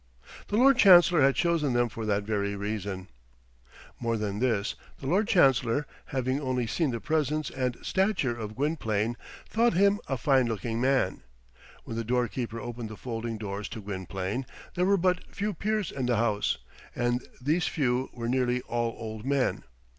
The Lord Chancellor had chosen them for that very reason. More than this, the Lord Chancellor, having only seen the presence and stature of Gwynplaine, thought him a fine looking man. When the door keeper opened the folding doors to Gwynplaine there were but few peers in the house; and these few were nearly all old men.